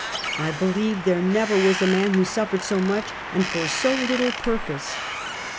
... I believe there never was a man who suffered so much and for so little purpose."